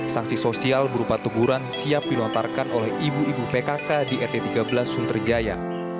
sanksi sosial berupa teguran siap dilontarkan oleh ibu ibu pkk di rt tiga belas sunterjaya